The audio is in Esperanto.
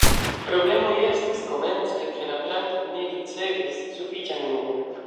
Problemoj estis komence, ke la plantoj ne ricevis sufiĉan lumon.